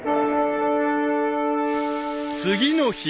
［次の日］